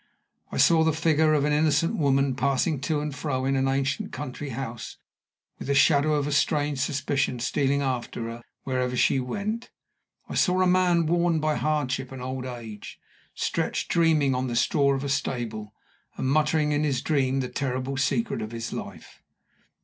I saw the figure of an innocent woman passing to and fro in an ancient country house, with the shadow of a strange suspicion stealing after her wherever she went. I saw a man worn by hardship and old age, stretched dreaming on the straw of a stable, and muttering in his dream the terrible secret of his life.